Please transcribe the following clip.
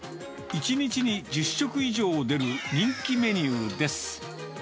１日に１０食以上出る人気メニューです。